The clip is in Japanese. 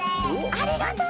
ありがとう！